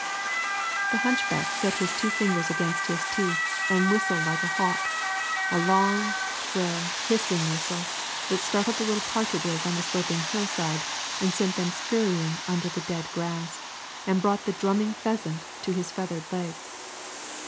The hunchback set his two fingers against his teeth and whistled like a hawk, a long, shrill, hissing whistle that startled the little partridges on the sloping hillside and sent them scurrying under the dead grass, and brought the drumming pheasant to his feathered legs.